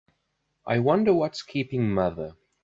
I wonder what's keeping mother?